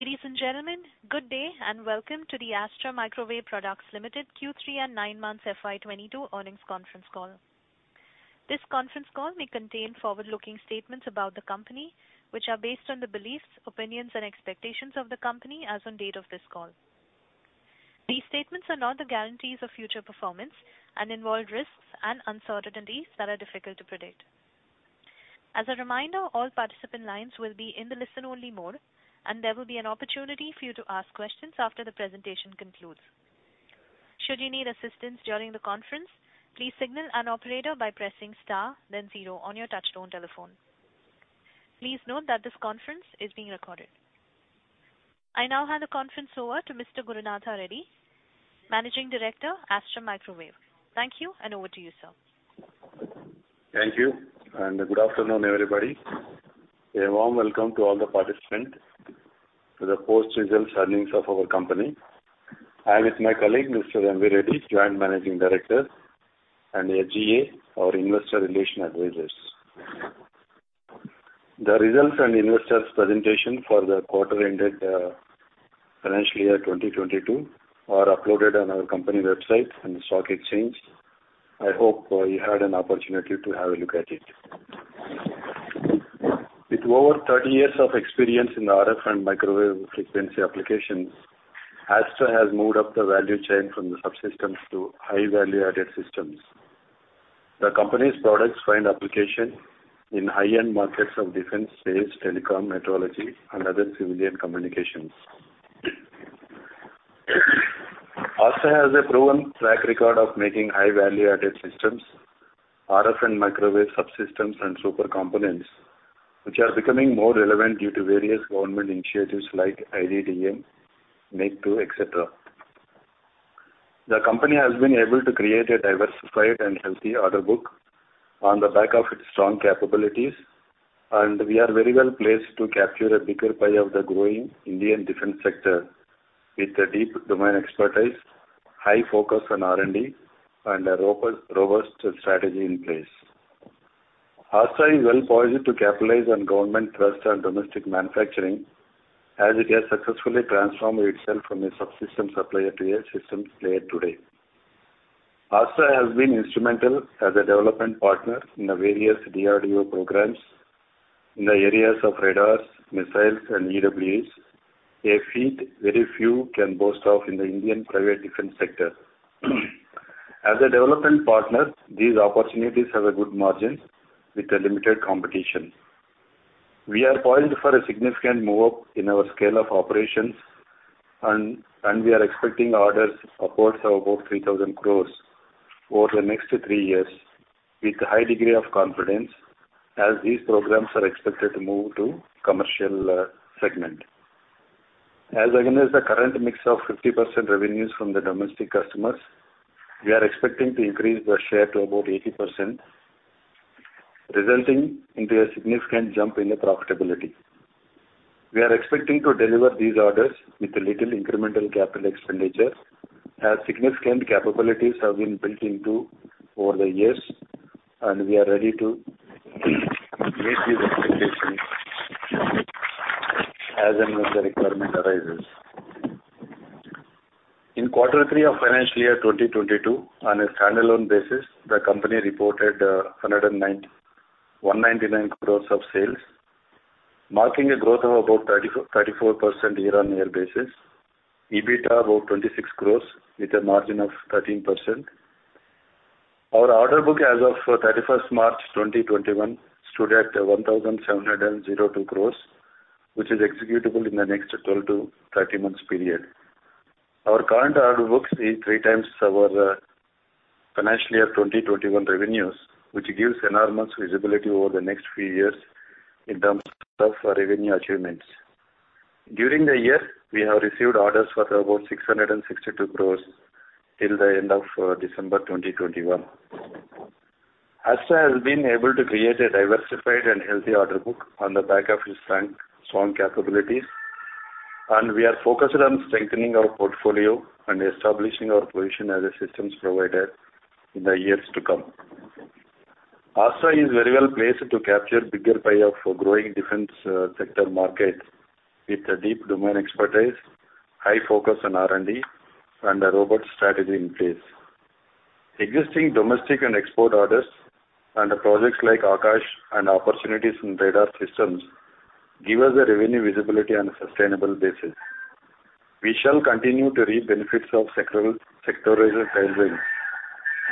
Ladies and gentlemen, good day and welcome to the Astra Microwave Products Limited Q3 and nine months FY 2022 earnings conference call. This conference call may contain forward-looking statements about the company, which are based on the beliefs, opinions, and expectations of the company as on date of this call. These statements are not the guarantees of future performance and involve risks and uncertainties that are difficult to predict. As a reminder, all participant lines will be in the listen-only mode, and there will be an opportunity for you to ask questions after the presentation concludes. Should you need assistance during the conference, please signal an operator by pressing star then zero on your touchtone telephone. Please note that this conference is being recorded. I now hand the conference over to Mr. Gurunatha Reddy, Managing Director, Astra Microwave Products. Thank you, and over to you, sir. Thank you, and good afternoon, everybody. A warm welcome to all the participants to the post-results earnings of our company. I'm with my colleague, Mr. M.V. Reddy, Joint Managing Director, and HGA, our investor relations advisors. The results and investors presentation for the quarter ended financial year 2022 are uploaded on our company website and the stock exchange. I hope you had an opportunity to have a look at it. With over 30 years of experience in RF and microwave frequency applications, Astra has moved up the value chain from the subsystems to high value-added systems. The company's products find application in high-end markets of defense, space, telecom, meteorology, and other civilian communications. Astra has a proven track record of making high value-added systems, RF and microwave subsystems and sub-components, which are becoming more relevant due to various government initiatives like IDDM, Make-II, et cetera. The company has been able to create a diversified and healthy order book on the back of its strong capabilities, and we are very well placed to capture a bigger pie of the growing Indian Defense sector with a deep domain expertise, high focus on R&D, and a robust strategy in place. Astra is well poised to capitalize on government trust and domestic manufacturing as it has successfully transformed itself from a subsystem supplier to a systems player today. Astra has been instrumental as a development partner in the various DRDO programs in the areas of radars, missiles, and EWs, a feat very few can boast of in the Indian private Defense sector. As a development partner, these opportunities have a good margin with a limited competition. We are poised for a significant move up in our scale of operations and we are expecting orders of about 3,000 crore over the next three years with a high degree of confidence as these programs are expected to move to commercial segment. As against the current mix of 50% revenues from the domestic customers, we are expecting to increase the share to about 80%, resulting into a significant jump in the profitability. We are expecting to deliver these orders with a little incremental capital expenditure as significant capabilities have been built into over the years, and we are ready to meet these expectations as and when the requirement arises. In quarter three of financial year 2022, on a standalone basis, the company reported 199 crore of sales, marking a growth of about 34% year-on-year. EBITDA about 26 crore with a margin of 13%. Our order book as of 31st March 2021 stood at 1,702 crore, which is executable in the next 12-13 months period. Our current order book is 3x our financial year 2021 revenues, which gives enormous visibility over the next few years in terms of revenue achievements. During the year, we have received orders for about 662 crore till the end of December 2021. Astra has been able to create a diversified and healthy order book on the back of its strong capabilities, and we are focused on strengthening our portfolio and establishing our position as a systems provider in the years to come. Astra is very well placed to capture bigger pie of growing Defense sector market with a deep domain expertise, high focus on R&D, and a robust strategy in place. Existing domestic and export orders and projects like Akash and opportunities in radar systems give us a revenue visibility on a sustainable basis. We shall continue to reap benefits of sectoral tailwinds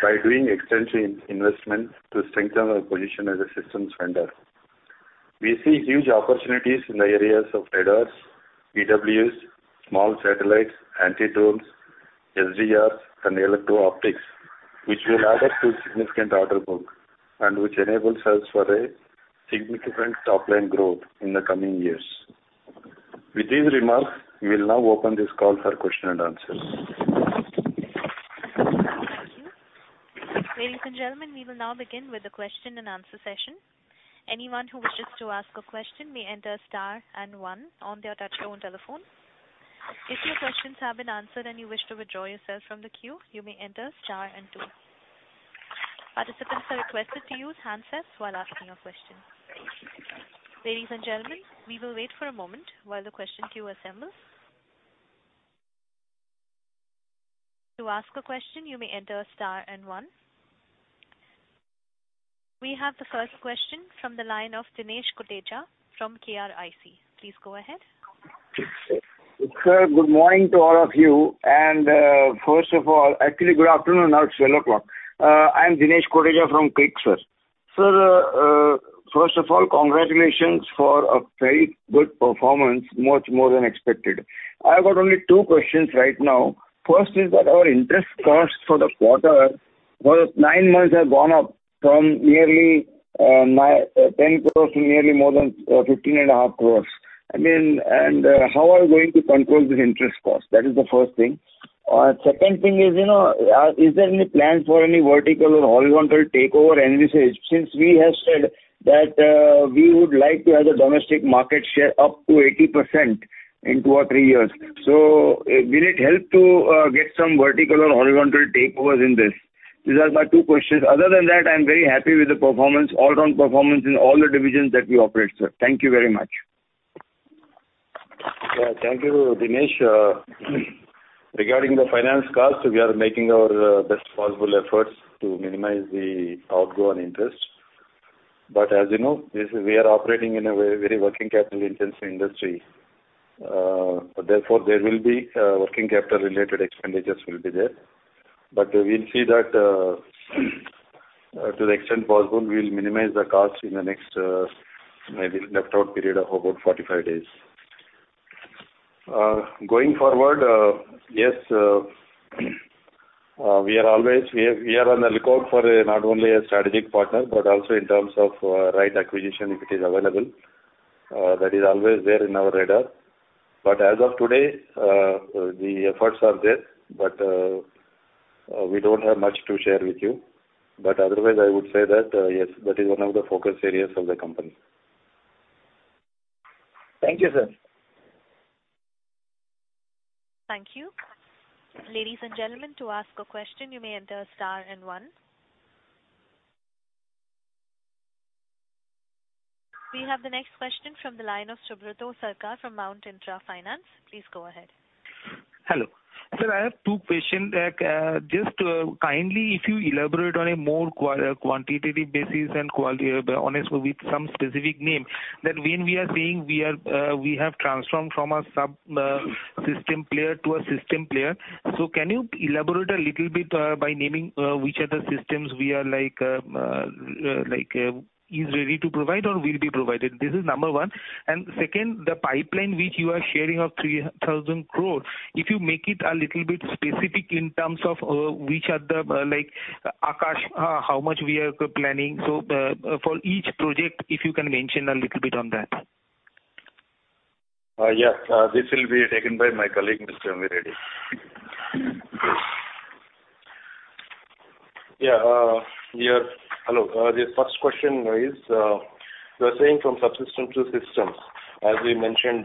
by doing extensive investment to strengthen our position as a systems vendor. We see huge opportunities in the areas of radars, EWs, small satellites, anti-drones, SDRs, and electro-optics, which will add up to significant order book and which enables us for a significant top-line growth in the coming years. With these remarks, we will now open this call for questions and answers. Thank you. Ladies and gentlemen, we will now begin with the question and answer session. Anyone who wishes to ask a question may enter star and one on their touchtone telephone. If your questions have been answered and you wish to withdraw yourself from the queue, you may enter star and two. Participants are requested to use handsets while asking a question. Ladies and gentlemen, we will wait for a moment while the question queue assembles. To ask a question, you may enter star and one. We have the first question from the line of Dinesh Kotecha from KRIC. Please go ahead. Sir, good morning to all of you. Actually, good afternoon. Now it's 12:00 P.M. I'm Dinesh Kotecha from KRIC, sir. Sir, first of all, congratulations for a very good performance, much more than expected. I've got only two questions right now. First is that our interest costs for the quarter, well, nine months have gone up from nearly ten crores to nearly more than fifteen and a half crores. I mean, how are you going to control this interest cost? That is the first thing. Second thing is, you know, is there any plan for any vertical or horizontal takeover initiatives since we have said that we would like to have a domestic market share up to 80% in two or three years. Will it help to get some vertical or horizontal takeovers in this? These are my two questions. Other than that, I'm very happy with the performance, all round performance in all the divisions that we operate, sir. Thank you very much. Yeah. Thank you, Dinesh. Regarding the finance cost, we are making our best possible efforts to minimize the outgoing interest. As you know, we are operating in a very working capital-intensive industry. Therefore, there will be working capital related expenditures. We'll see that, to the extent possible, we'll minimize the cost in the next maybe left out period of about 45 days. Going forward, we are always on the lookout for not only a strategic partner, but also in terms of right acquisition if it is available. That is always on our radar. As of today, the efforts are there, but we don't have much to share with you. Otherwise, I would say that, yes, that is one of the focus areas of the company. Thank you, sir. Thank you. Ladies and gentlemen, to ask a question, you may enter star and one. We have the next question from the line of Subrata Sarkar from Mount Intra Finance. Please go ahead. Hello. Sir, I have two questions. Just kindly if you elaborate on a more quantitative basis and qualitative with some specific name, that when we are saying we have transformed from a sub-system player to a system player. Can you elaborate a little bit by naming which are the systems we are like is ready to provide or will be provided? This is number one. Second, the pipeline which you are sharing of 3,000 crore, if you make it a little bit specific in terms of which are the like Akash how much we are planning. For each project, if you can mention a little bit on that. This will be taken by my colleague, Mr. M.V. Reddy. The first question is, you are saying from subsystems to systems, as we mentioned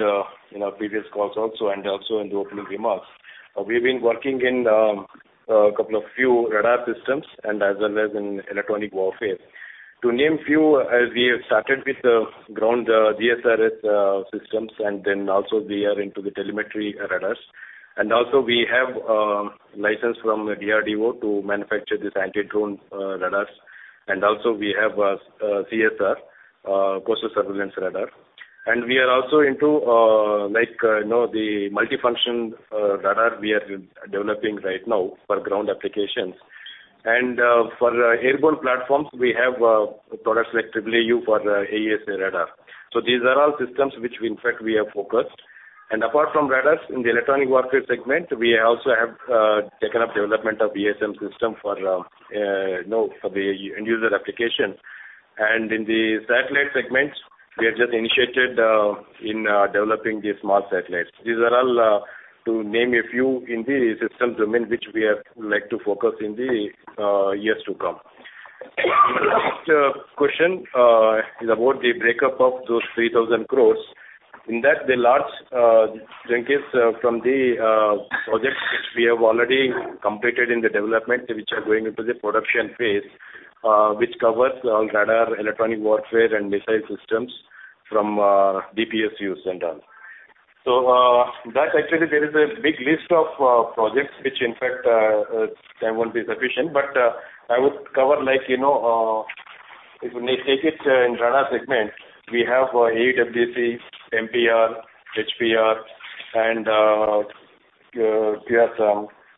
in our previous calls also and also in the opening remarks. We've been working in a few radar systems and as well as in electronic warfare. To name a few, as we have started with the ground GSRS systems, and then also we are into the telemetry radars. We have license from DRDO to manufacture this anti-drone radars. We have CSR, Coastal Surveillance Radar. We are also into, like, you know, the multifunction radar we are developing right now for ground applications. For airborne platforms, we have products like AAAU for the AESA radar. These are all systems which in fact we are focused. Apart from radars in the electronic warfare segment, we also have taken up development of ESM system for, you know, for the end user application. In the satellite segments, we have just initiated developing the small satellites. These are all to name a few in the system domain, which we would like to focus in the years to come. The next question is about the breakup of those 3,000 crore. In that, the large chunk is from the projects which we have already completed in the development, which are going into the production phase, which covers radar, electronic warfare and missile systems from DPSUs and all. That actually there is a big list of projects which in fact time won't be sufficient, but I would cover like, you know, if you take it in radar segment, we have AWDC, MPR, HPR and PSM,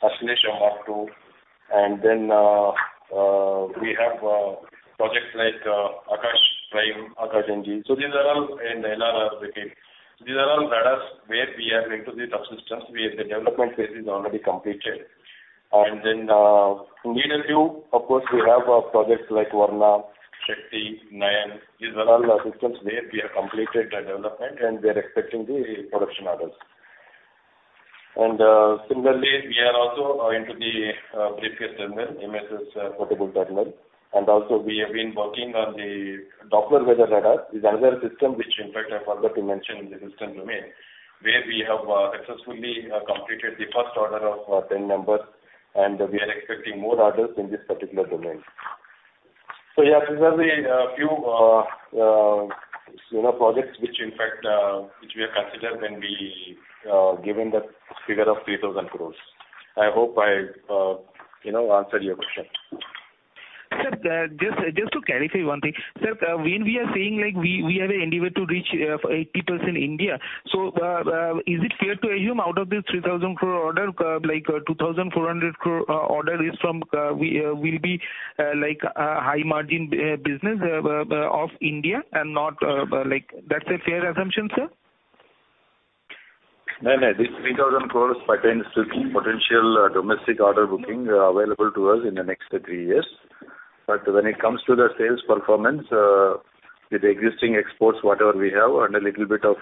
Arudhra Mark II, and then we have projects like Akash Prime, Akash-NG. These are all in the LRR brigade. These are all radars where we are into the subsystems, where the development phase is already completed. In EW, of course, we have projects like Varuna, Shakti, Nayan. These are all systems where we have completed the development and we are expecting the production orders. Similarly, we are also into the briefcase terminal, MSS portable terminal. Also we have been working on the Doppler Weather Radar. It's another system which in fact I forgot to mention in the system domain, where we have successfully completed the first order of 10 numbers, and we are expecting more orders in this particular domain. Yeah, these are the few, you know, projects which in fact we have considered when we have given the figure of 3,000 crore. I hope I, you know, answered your question. Sir, just to clarify one thing. Sir, when we are saying like we have an endeavor to reach 80% India, is it fair to assume out of this 3,000 crore order, like, 2,400 crore order is from we will be like high margin business of India and not like that's a fair assumption, sir? No, no. This 3,000 crore pertains to potential domestic order booking available to us in the next three years. When it comes to the sales performance, with existing exports, whatever we have, and a little bit of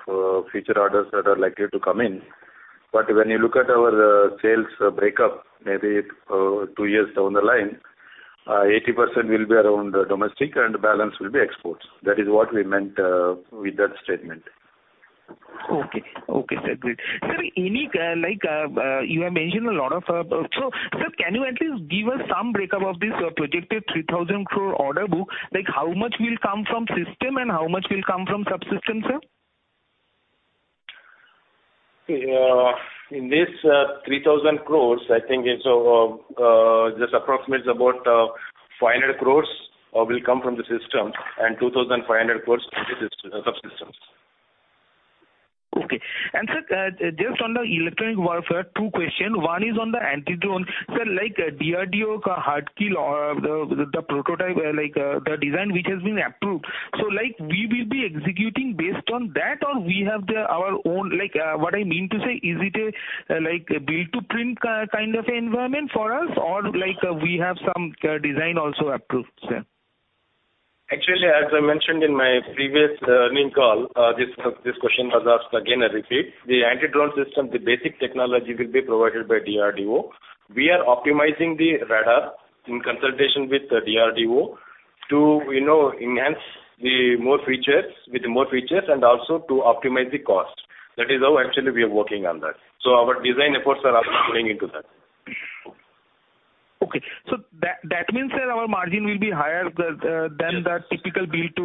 future orders that are likely to come in. When you look at our sales breakup, maybe two years down the line, 80% will be around domestic and balance will be exports. That is what we meant with that statement. Okay, sir. Great. Sir, like, you have mentioned a lot of. Sir, can you at least give us some breakup of this projected 3,000 crore order book? Like, how much will come from system and how much will come from subsystems, sir? In this 3,000 crore, I think it's just approximates about 500 crore will come from the system and 2,500 crore will be subsystems. Okay. Sir, just on the electronic warfare, two questions. One is on the anti-drone. Sir, like, DRDO hard kill or the prototype, like, the design which has been approved. So, like, we will be executing based on that, or we have our own, like, what I mean to say, is it a like, build to print kind of environment for us or like we have some design also approved, sir? Actually, as I mentioned in my previous earnings call, this question was asked again, I repeat. The anti-drone system, the basic technology, will be provided by DRDO. We are optimizing the radar in consultation with DRDO to, you know, enhance with more features and also to optimize the cost. That is how actually we are working on that. Our design efforts are also going into that. Okay. That means that our margin will be higher than the typical build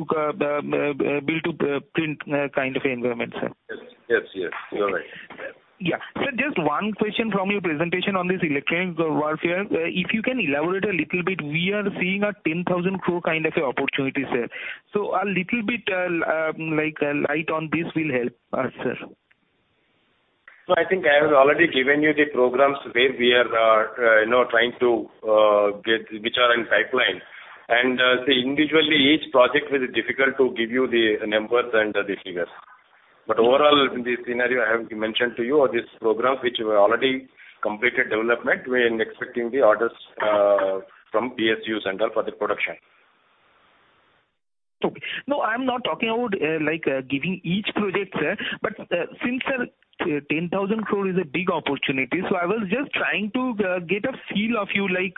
to print kind of environment, sir. Yes. Yes, yes. You're right. Yeah. Sir, just one question from your presentation on this electronic warfare. If you can elaborate a little bit, we are seeing an 10,000 crore kind of opportunity, sir. A little bit, like, light on this will help us, sir. I think I have already given you the programs where we are, you know, trying to get, which are in pipeline. See individually each project will be difficult to give you the numbers and the figures. Overall, in the scenario I have mentioned to you or this program which we already completed development, we're expecting the orders from PSU center for the production. Okay. No, I'm not talking about, like, giving each project, sir. Since 10,000 crore is a big opportunity, I was just trying to get a feel of you like,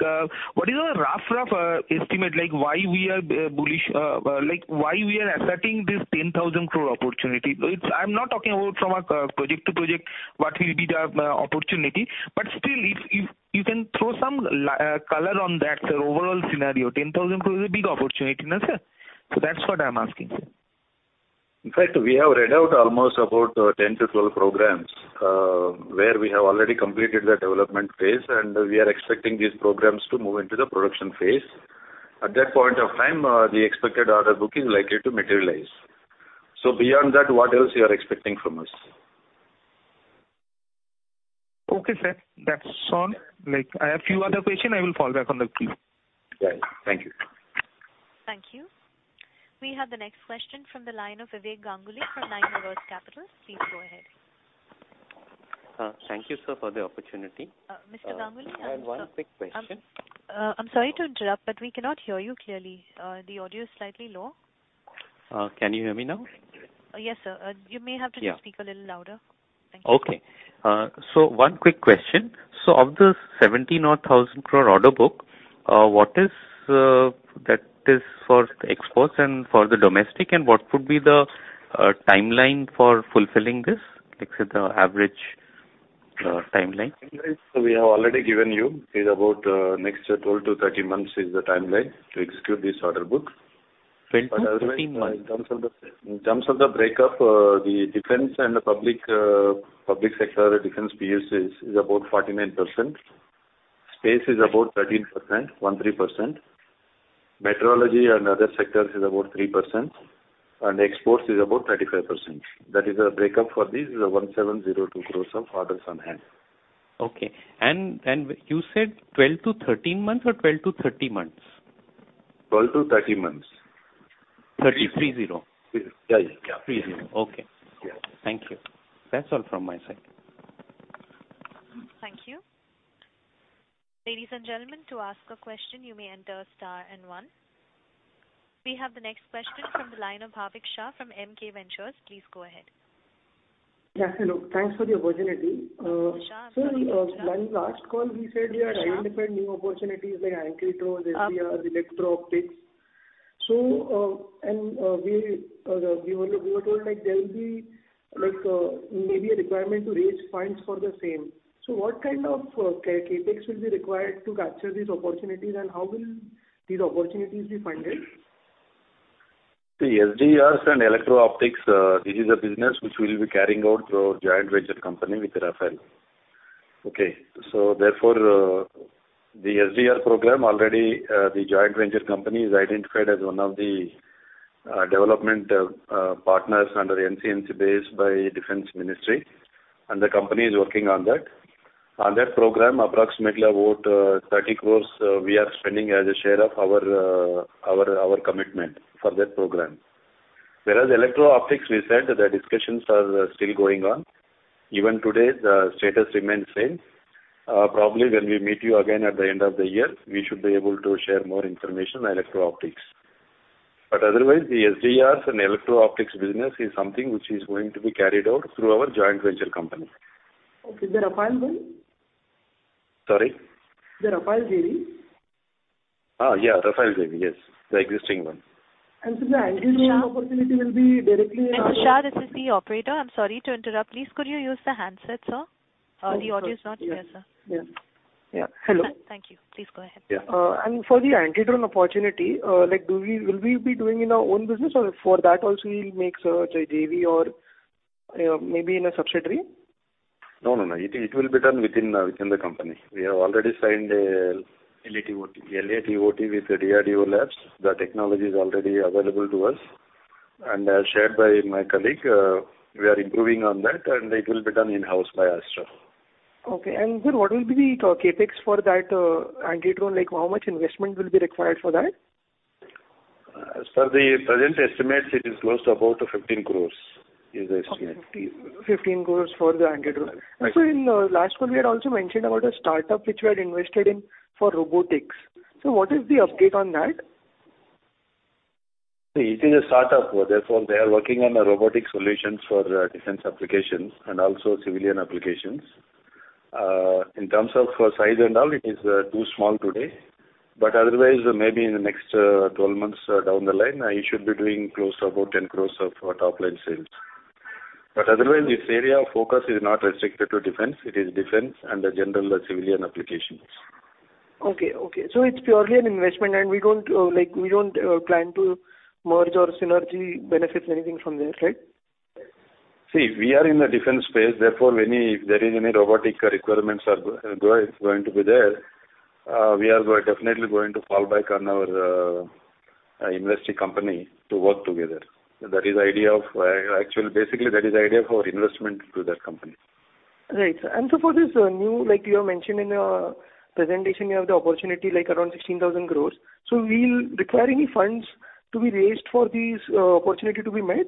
what is our rough estimate, like, why we are bullish, like, why we are asserting this 10,000 crore opportunity? I'm not talking about from a project to project, what will be the opportunity. Still if you can throw some color on that, sir, overall scenario. 10,000 crore is a big opportunity, no, sir? That's what I'm asking, sir. In fact, we have read out almost about 10 to 12 programs, where we have already completed the development phase, and we are expecting these programs to move into the production phase. At that point of time, the expected order book is likely to materialize. Beyond that, what else you are expecting from us? Okay, sir. That's all. Like, I have few other question. I will fall back on the queue. Right. Thank you. Thank you. We have the next question from the line of Vivek Ganguly from Nine Rivers Capital. Please go ahead. Thank you, sir, for the opportunity. Mr. Ganguly, I'm. I have one quick question. I'm sorry to interrupt, but we cannot hear you clearly. The audio is slightly low. Can you hear me now? Yes, sir. You may have to just speak a little louder. Thank you. Okay. One quick question. Of the 79,000 crore order book, what is, that is for exports and for the domestic, and what would be the timeline for fulfilling this? Like, say, the average timeline. The timeline we have already given you is about the next 12-13 months to execute this order book. 12-13 months. Otherwise, in terms of the breakup, the defense and the public sector defense PSUs is about 49%. Space is about 13%. Meteorology and other sectors is about 3%. Exports is about 35%. That is the breakup for this 1,702 crore of orders on hand. Okay. You said 12-13 months or 12-30 months? 12-13 months. 330. 30. Yeah, yeah. 30. Okay. Yeah. Thank you. That's all from my side. Thank you. Ladies and gentlemen, to ask a question, you may enter star and one. We have the next question from the line of Bhavik Shah from Emkay Global. Please go ahead. Yes, hello. Thanks for the opportunity. Shah from Emkay Global. Sir, when last call we said we are identifying new opportunities like anti-drones, SDRs, electro-optics. And we were told like there will be like maybe a requirement to raise funds for the same. What kind of CapEx will be required to capture these opportunities and how will these opportunities be funded? The SDRs and electro-optics, this is a business which we'll be carrying out through our joint venture company with Rafael. Okay. Therefore, the SDR program already, the joint venture company is identified as one of the development partners under the NCNC base by Defense Ministry, and the company is working on that. On that program, approximately about 30 crore, we are spending as a share of our our commitment for that program. Whereas electro-optics, we said that the discussions are still going on. Even today, the status remains same. Probably when we meet you again at the end of the year, we should be able to share more information on electro-optics. Otherwise, the SDRs and electro-optics business is something which is going to be carried out through our joint venture company. Okay. The Rafael one? Sorry? The Rafael JV? Yeah. Rafael JV. Yes. The existing one. The anti-drone opportunity will be directly. Tushar, this is the operator. I'm sorry to interrupt. Please could you use the handset, sir? The audio is not clear, sir. Yeah. Yeah. Hello. Thank you. Please go ahead. Yeah. For the anti-drone opportunity, like will we be doing in our own business or for that also we'll make a JV or maybe in a subsidiary? No. It will be done within the company. We have already signed a LAToT LAToT with DRDO labs. The technology is already available to us. As shared by my colleague, we are improving on that, and it will be done in-house by Astra. Okay. Then what will be the CapEx for that, anti-drone? Like, how much investment will be required for that? As per the present estimates, it is close to about 15 crore is the estimate. Okay. 15 crore for the anti-drone. In last call, we had also mentioned about a startup which we had invested in for robotics. What is the update on that? See, it is a startup, therefore they are working on robotic solutions for defense applications and also civilian applications. In terms of size and all, it is too small today. Otherwise, maybe in the next 12 months down the line, it should be doing close to about 10 crore of top line sales. Otherwise, this area of focus is not restricted to defense. It is defense and the general civilian applications. It's purely an investment and we don't plan to merge or synergy benefits anything from there, right? See, we are in the defense space, therefore if there is any robotic requirements are going to be there, we are definitely going to fall back on our invested company to work together. Basically, that is the idea for investment to that company. Right. For this new, like you have mentioned in your presentation, you have the opportunity like around 16,000 crore. We'll require any funds to be raised for these opportunities to be met?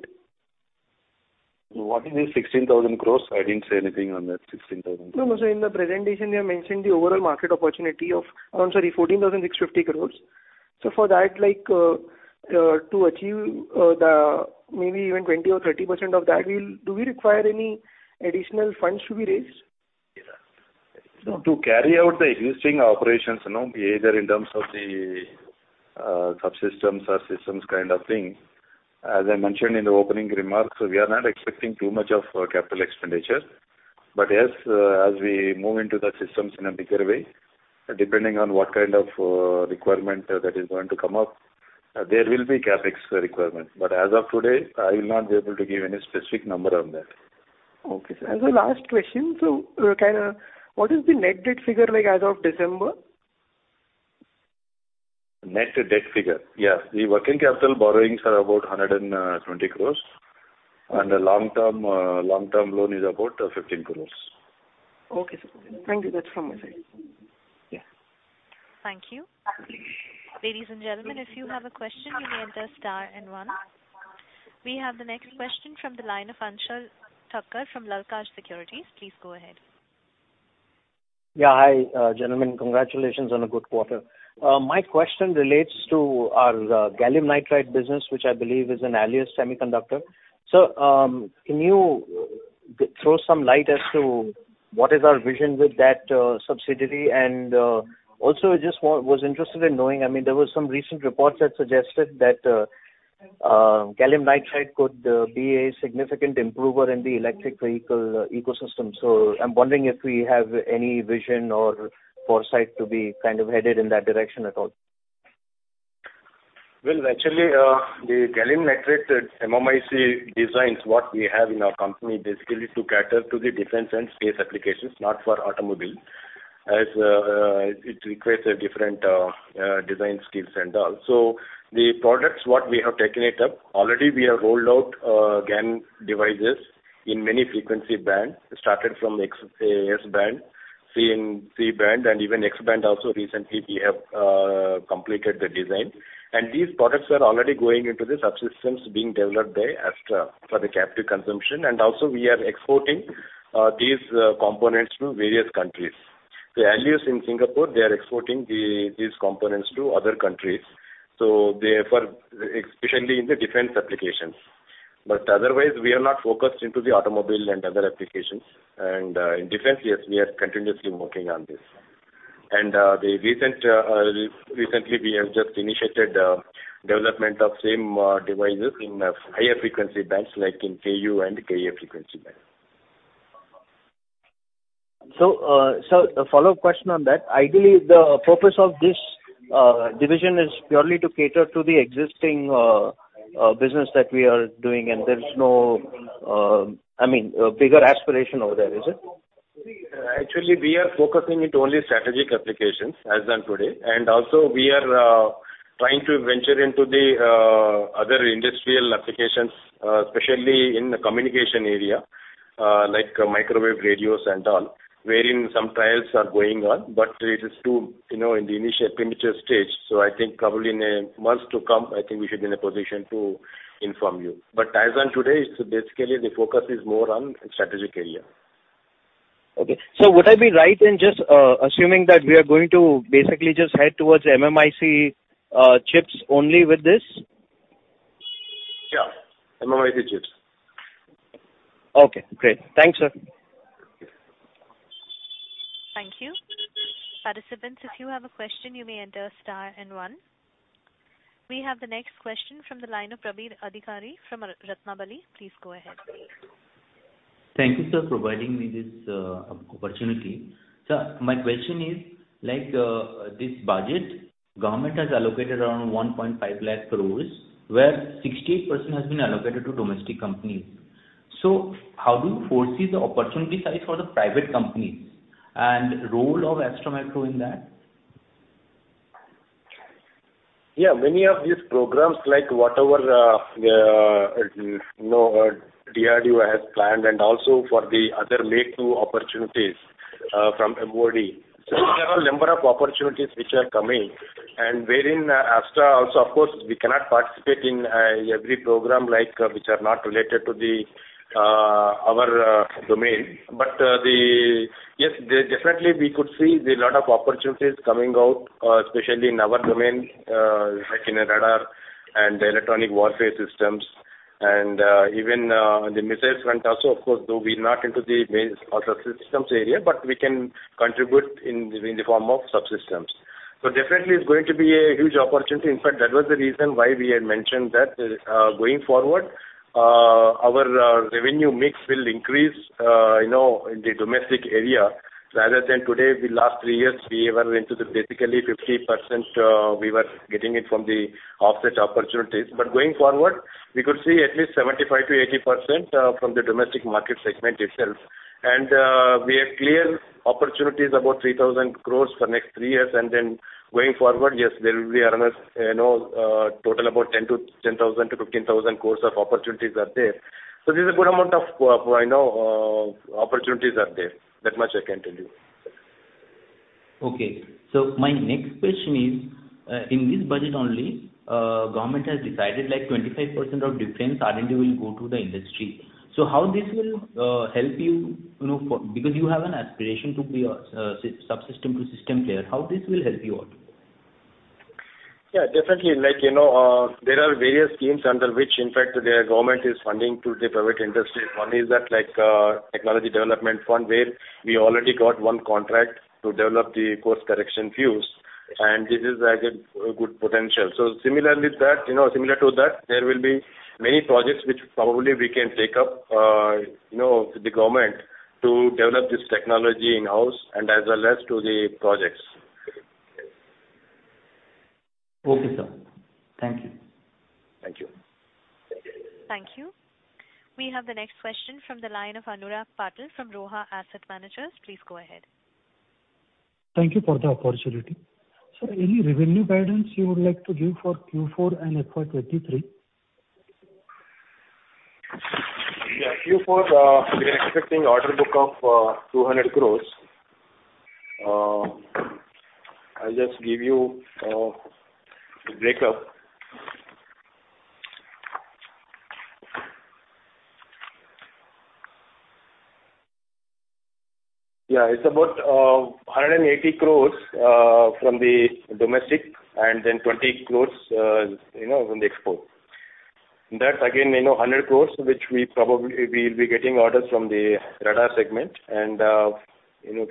What is this 16,000 crores? I didn't say anything on that 16,000. No, no. In the presentation, you have mentioned the overall market opportunity of 14,650 crores. For that, like, to achieve the maybe even 20% or 30% of that, do we require any additional funds to be raised? No. To carry out the existing operations, you know, be either in terms of the, subsystems or systems kind of thing, as I mentioned in the opening remarks, we are not expecting too much of, capital expenditure. Yes, as we move into the systems in a bigger way, depending on what kind of, requirement, that is going to come up, there will be CapEx requirement. As of today, I will not be able to give any specific number on that. Okay, sir. As a last question, what is the net debt figure like as of December? Net debt figure? Yeah. The working capital borrowings are about 120 crore. The long-term loan is about 15 crore. Okay, sir. Thank you. That's from my side. Yeah. Thank you. Ladies and gentlemen, if you have a question, you may enter star and one. We have the next question from the line of Anshal Thakkar from Lalit Securities. Please go ahead. Yeah. Hi, gentlemen. Congratulations on a good quarter. My question relates to our Gallium Nitride business, which I believe is in Aelius Semiconductors. Can you throw some light as to what is our vision with that subsidiary? Also just was interested in knowing, I mean, there were some recent reports that suggested that Gallium Nitride could be a significant improver in the electric vehicle ecosystem. I'm wondering if we have any vision or foresight to be kind of headed in that direction at all. Well, actually, the Gallium Nitride MMIC designs, what we have in our company basically is to cater to the defense and space applications, not for automobile, as it requires a different design skills and all. The products, what we have taken it up, already we have rolled out GaN devices in many frequency band, started from X-band, S-band, C-band, and even X-band also recently we have completed the design. These products are already going into the subsystems being developed by Astra for the captive consumption. We are exporting these components to various countries. The Aelius in Singapore, they are exporting these components to other countries, so therefore, especially in the defense applications. Otherwise, we are not focused into the automobile and other applications. In defense, yes, we are continuously working on this. Recently we have just initiated development of same devices in higher frequency bands like in Ku and Ka frequency band. A follow-up question on that. Ideally, the purpose of this business that we are doing, and there is no I mean, a bigger aspiration over there, is it? Actually, we are focusing only on strategic applications as on today, and also we are trying to venture into the other industrial applications, especially in the communication area, like microwave radios and all, wherein some trials are going on, but it is too you know in the initial premature stage. I think probably in a months to come, I think we should be in a position to inform you. As on today, basically the focus is more on strategic area. Okay. Would I be right in just assuming that we are going to basically just head towards MMIC chips only with this? Yeah, MMIC chips. Okay, great. Thanks, sir. Thank you. Participants, if you have a question, you may enter star and one. We have the next question from the line of Prabir Adhikary from Ratnabali. Please go ahead. Thank you, sir, providing me this opportunity. Sir, my question is, like, this budget government has allocated around 1.5 lakh crore, where 68% has been allocated to domestic companies. How do you foresee the opportunity size for the private companies and role of Astra Micro in that? Yeah, many of these programs like whatever, you know, DRDO has planned and also for the other Make-II opportunities from MoD. There are a number of opportunities which are coming and wherein Astra also, of course, we cannot participate in every program like which are not related to our domain. Definitely we could see a lot of opportunities coming out, especially in our domain, like in radar and electronic warfare systems and even the missiles front also, of course, though we are not into the main subsystems area, but we can contribute in the form of subsystems. Definitely it's going to be a huge opportunity. In fact, that was the reason why we had mentioned that, going forward, our revenue mix will increase, you know, in the domestic area rather than today, the last three years, we were into basically 50%, we were getting it from the offset opportunities. Going forward, we could see at least 75%-80% from the domestic market segment itself. We have clear opportunities about 3,000 crores for next three years. Going forward, yes, there will be another, you know, total about 10,000 crores- 15,000 crores of opportunities are there. This is a good amount of, you know, opportunities are there. That much I can tell you. Okay. My next question is, in this budget only, government has decided like 25% of defense R&D will go to the industry. How this will help you know, because you have an aspiration to be a subsystem to system player. How this will help you out? Yeah, definitely. Like, you know, there are various schemes under which in fact the government is funding to the private industry. One is that like, Technology Development Fund, where we already got one contract to develop the Course Correction Fuze. This is like a good potential. Similarly that, you know, similar to that, there will be many projects which probably we can take up, you know, the government to develop this technology in-house and as well as to the projects. Okay, sir. Thank you. Thank you. Thank you. We have the next question from the line of Anurag Patil from Roha Asset Managers. Please go ahead. Thank you for the opportunity. Sir, any revenue guidance you would like to give for Q4 and FY 2023? Yeah. Q4, we are expecting order book of 200 crores. I'll just give you the breakup. Yeah, it's about 180 crores from the domestic and then 20 crores from the export. That's again 100 crores, which we probably will be getting orders from the radar segment and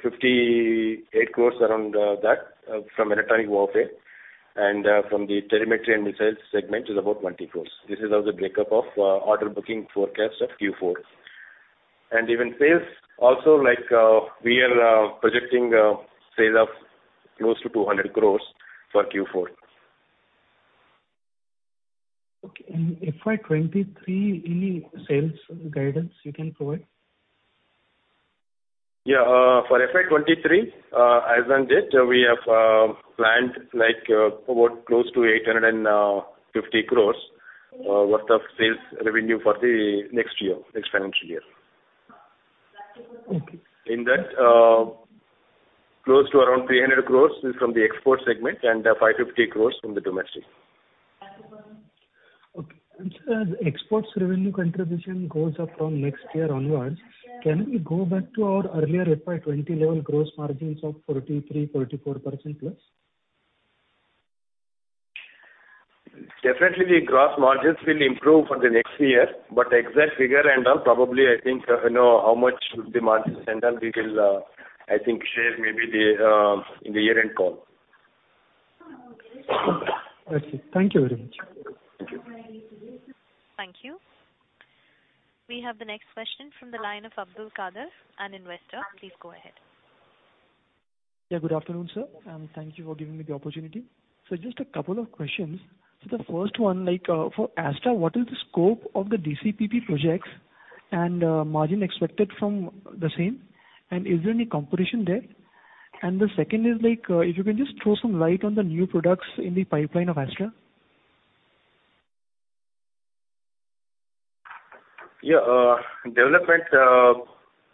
58 crores around that from electronic warfare. From the telemetry and missiles segment is about 20 crores. This is how the breakup of order book forecast of Q4. Even sales also like, we are projecting sales of close to 200 crores for Q4. Okay. FY 2023, any sales guidance you can provide? Yeah. For FY 2023, as on date, we have planned like about close to 850 crores worth of sales revenue for the next year, next financial year. Okay. In that, close to around 300 crores is from the export segment and 550 crores from the domestic. Okay. Sir, exports revenue contribution goes up from next year onwards. Can we go back to our earlier FY 2020 level gross margins of 43%-44%+? Definitely the gross margins will improve for the next year, but exact figure and all, probably I think, you know, how much should the margins and then we will, I think share maybe the, in the year-end call. Okay. That's it. Thank you very much. Thank you. Thank you. We have the next question from the line of Abdul Kader, an investor. Please go ahead. Yeah, good afternoon, sir, and thank you for giving me the opportunity. Just a couple of questions. The first one, like, for Astra, what is the scope of the DCPP projects and margin expected from the same? And is there any competition there? And the second is like, if you can just throw some light on the new products in the pipeline of Astra. Yeah, development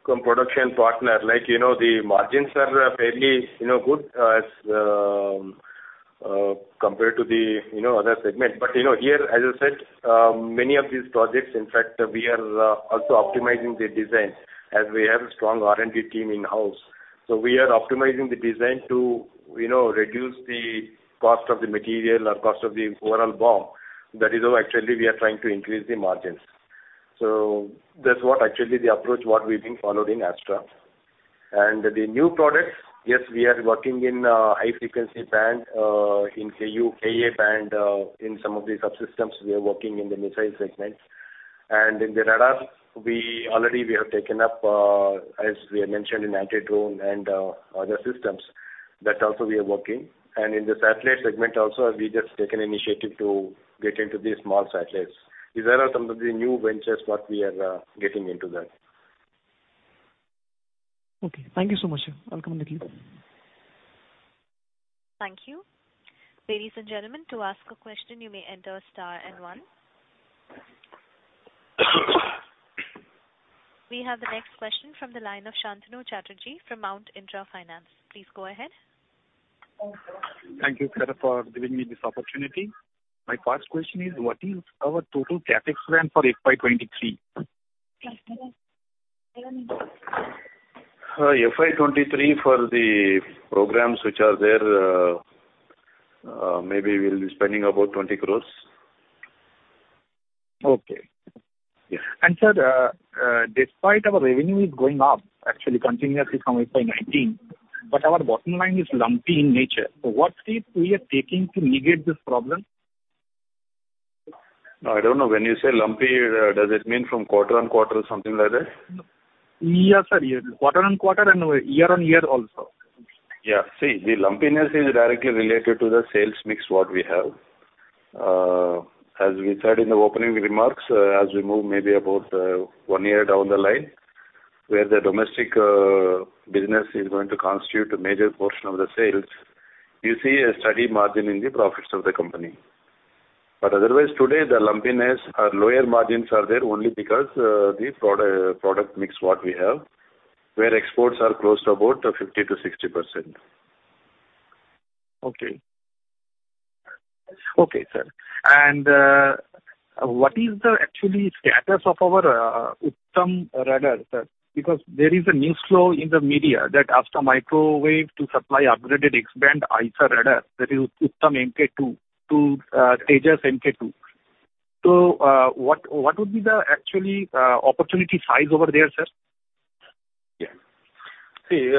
cum-production partner, like, you know, the margins are fairly, you know good, as compared to the, you know, other segment. Here, as I said, many of these projects, in fact, we are also optimizing the design as we have a strong R&D team in-house. We are optimizing the design to, you know, reduce the cost of the material or cost of the overall BOM. That is how actually we are trying to increase the margins. That's what actually the approach what we've been following in Astra. The new products, yes, we are working in high frequency band, in Ku-band, Ka-band, in some of the subsystems we are working in the missile segments. In the radar, we already have taken up, as we have mentioned in anti-drone and other systems, that also we are working. In the satellite segment also, we have just taken initiative to get into the small satellites. These are all some of the new ventures what we are getting into that. Okay, thank you so much, sir. I'll come with you. Thank you. Ladies and gentlemen, to ask a question, you may enter star and one. We have the next question from the line of Santanu Chatterjee from Mount Intra Finance. Please go ahead. Thank you, sir, for giving me this opportunity. My first question is, what is our total CapEx plan for FY 2023? FY 2023 for the programs which are there, maybe we'll be spending about 20 crores. Okay. Yeah. Sir, despite our revenue is going up actually continuously from FY 2019, but our bottom line is lumpy in nature. What steps we are taking to mitigate this problem? I don't know. When you say lumpy, does it mean from quarter-over-quarter or something like that? Yes, sir. Year, quarter-on-quarter and year-on-year also. Yeah. See, the lumpiness is directly related to the sales mix what we have. As we said in the opening remarks, as we move maybe about one year down the line, where the domestic business is going to constitute a major portion of the sales, you see a steady margin in the profits of the company. Otherwise, today, the lumpiness or lower margins are there only because the product mix what we have, where exports are close to about 50%-60%. Okay. Okay, sir. What is the actual status of our Uttam radar, sir? Because there is a news flow in the media that Astra Microwave to supply upgraded X-band AESA radar, that is Uttam MK-II to Tejas MK-II. What would be the actual opportunity size over there, sir? Yeah. See,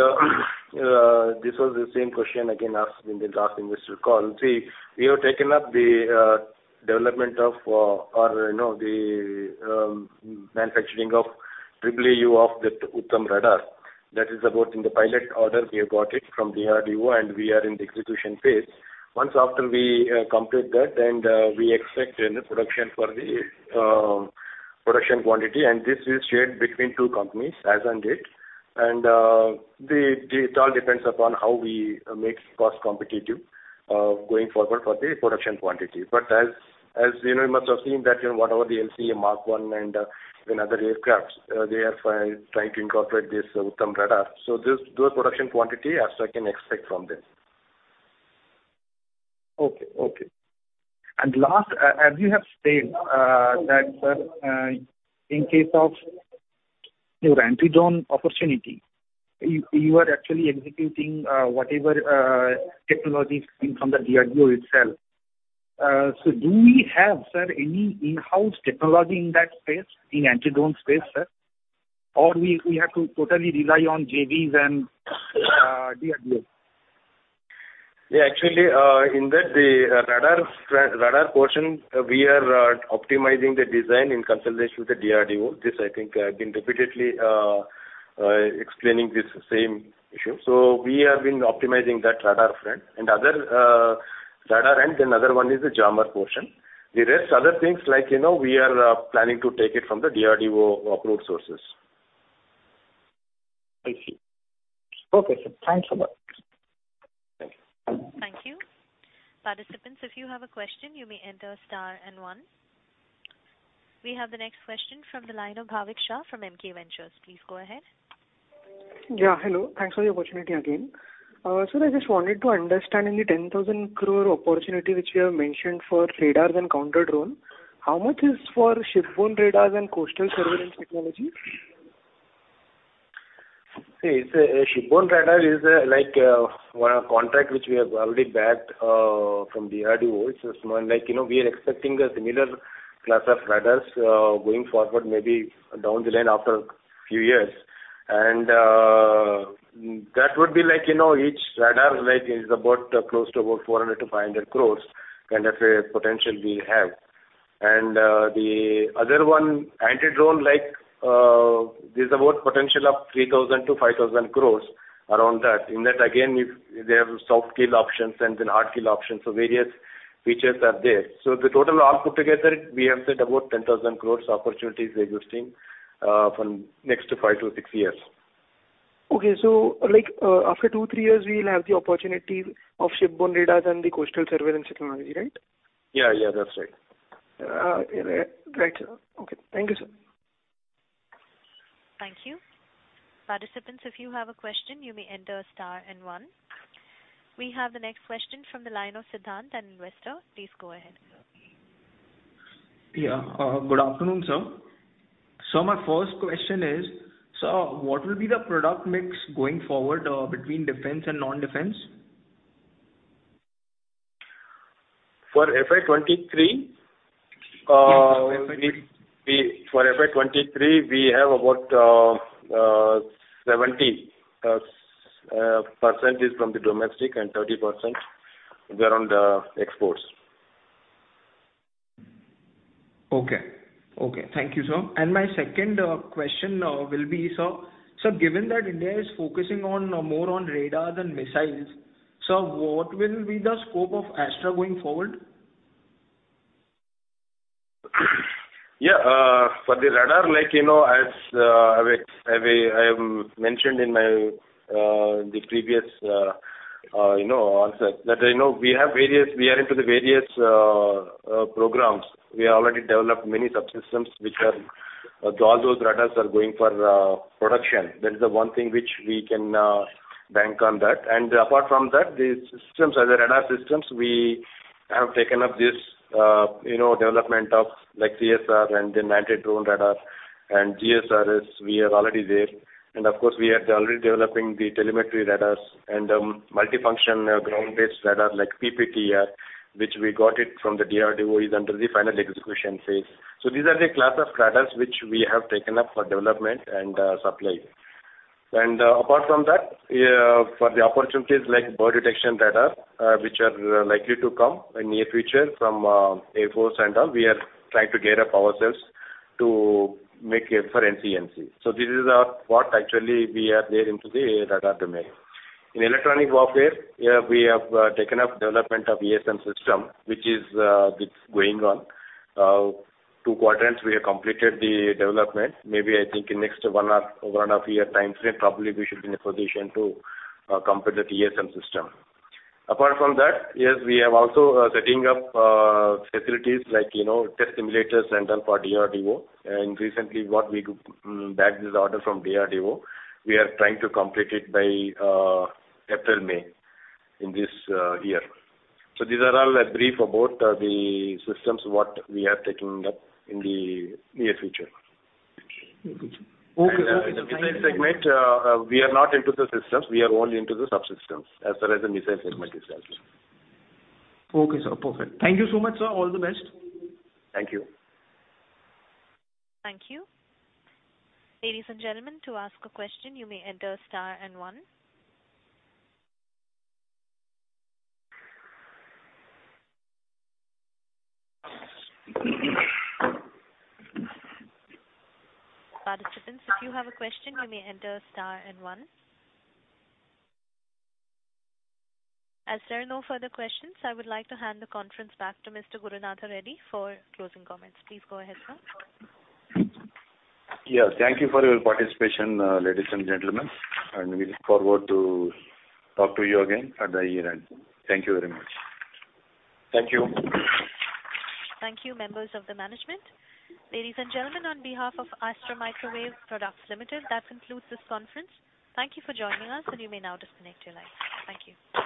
this was the same question again asked in the last investor call. See, we have taken up the development or you know the manufacturing of AAAU of the Uttam radar. That is the pilot order we have got from DRDO, and we are in the execution phase. Once we complete that, we expect you know production for the production quantity. This is shared between two companies, us and it. It all depends upon how we make cost competitive going forward for the production quantity. As you know, you must have seen that, you know, whatever the LCA Mark 1 and other aircraft, they are trying to incorporate this Uttam radar. This, those production quantity also I can expect from this. Okay. Last, as you have stated, that in case of your anti-drone opportunity, you are actually executing whatever technologies coming from the DRDO itself. So do we have, sir, any in-house technology in that space, in anti-drone space, sir? Or we have to totally rely on JVs and DRDO? Yeah, actually, in that, the radar portion, we are optimizing the design in consultation with the DRDO. This I think I've been repeatedly explaining this same issue. We have been optimizing that radar front and other radar end, another one is the jammer portion. The rest other things like, you know, we are planning to take it from the DRDO approved sources. I see. Okay, sir. Thanks a lot. Thank you. Thank you. Participants, if you have a question, you may enter star and one. We have the next question from the line of Bhavik Shah from Emkay Global. Please go ahead. Yeah, hello. Thanks for the opportunity again. Sir, I just wanted to understand in the 10,000 crore opportunity which you have mentioned for radars and counter-drone, how much is for shipborne radars and coastal surveillance technology? See, it's a shipborne radar, like, one contract which we have already bagged from DRDO. It's like, you know, we are expecting a similar class of radars going forward, maybe down the line after a few years. That would be like, you know, each radar is close to 400 crore-500 crore kind of a potential we have. The other one, anti-drone, like, there's about potential of 3,000 crore-5,000 crore around that. In that, again, if they have soft kill options and then hard kill options, various features are there. The total all put together, we have said about 10,000 crore opportunities we are seeing from the next 5-6 years. Okay. Like, after two to three years, we will have the opportunity of shipborne radars and the coastal surveillance technology, right? Yeah, yeah, that's right. Right. Okay. Thank you, sir. Thank you. Participants, if you have a question, you may enter star and one. We have the next question from the line of Siddhant, an investor. Please go ahead, sir. Yeah. Good afternoon, sir. My first question is, so what will be the product mix going forward, between defense and non-defense? For FY 2023, we have about 70% from the domestic and 30% on the exports. Okay. Thank you, sir. My second question will be, sir: Sir, given that India is focusing more on radar than missiles, sir, what will be the scope of Astra going forward? Yeah, for the radar, like, you know, as I mentioned in my previous, you know, answer that, you know, we are into the various programs. We have already developed many subsystems which are all those radars going for production. That is the one thing which we can bank on that. Apart from that, the systems, as a radar systems, we have taken up this you know development of like CSR and then anti-drone radar and GSRS, we are already there. Of course, we are already developing the telemetry radars and multifunction ground-based radar like PPTR, which we got it from the DRDO, is under the final execution phase. These are the class of radars which we have taken up for development and supply. Apart from that, for the opportunities like bird detection radar, which are likely to come in near future from Air Force and all, we are trying to gear up ourselves to make a for NCNC. This is what actually we are there into the radar domain. In electronic warfare, we have taken up development of ESM system, which is, it's going on. Two quadrants we have completed the development. Maybe I think in next one or one and a half year timeframe, probably we should be in a position to complete the ESM system. Apart from that, yes, we have also setting up facilities like, you know, test simulators and all for DRDO. Recently what we do bagged this order from DRDO, we are trying to complete it by April/May in this year. These are all a brief about the systems what we are taking up in the near future. Okay, sir. In the missile segment, we are not into the systems. We are only into the subsystems as far as the missile segment is concerned. Okay, sir. Perfect. Thank you so much, sir. All the best. Thank you. Thank you. Ladies and gentlemen, to ask a question, you may enter star and one. Participants, if you have a question, you may enter star and one. As there are no further questions, I would like to hand the conference back to Mr. Gurunatha Reddy for closing comments. Please go ahead, sir. Yeah. Thank you for your participation, ladies and gentlemen, and we look forward to talk to you again at the year-end. Thank you very much. Thank you. Thank you, members of the management. Ladies and gentlemen, on behalf of Astra Microwave Products Limited, that concludes this conference. Thank you for joining us, and you may now disconnect your lines. Thank you.